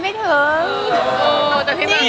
มันสูงมาก